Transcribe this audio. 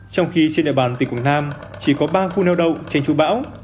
trong khi trên địa bàn tỉnh quảng nam chỉ có ba khu neo đầu trên chú bão